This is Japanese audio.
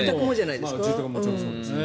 住宅ももちろんそうですね。